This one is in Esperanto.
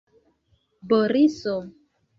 Boriso!